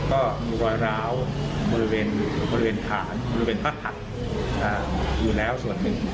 ก็มีรอยร้าวบริเวณภาคอยู่แล้วส่วนหนึ่ง